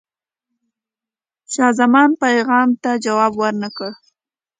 زمانشاه پیغام ته جواب ورنه کړ.